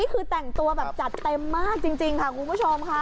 คือแต่งตัวแบบจัดเต็มมากจริงค่ะคุณผู้ชมค่ะ